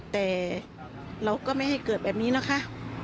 แต่เราก็ไม่ให้เกิดแบบนี้นะคะ